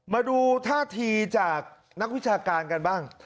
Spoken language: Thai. มาดูท่าทีจากนักวิชาการกันบ้าง